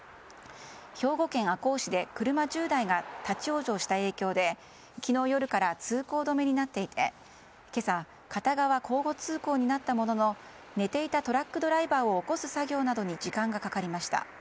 兵庫県赤穂市で車１０台が立ち往生した影響で昨日夜から通行止めになっていて今朝片側交互通行になったものの寝ていたトラックドライバーを起こす作業などに時間がかかりました。